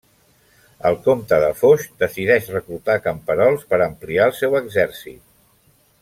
El comte de Foix decideix reclutar camperols per ampliar el seu exèrcit.